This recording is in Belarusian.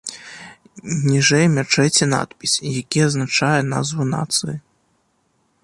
Ніжэй мячэці надпіс, які азначае назву нацыі.